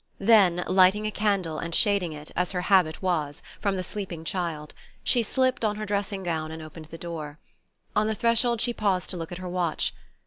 Then, lighting a candle, and shading it, as her habit was, from the sleeping child, she slipped on her dressing gown and opened the door. On the threshold she paused to look at her watch.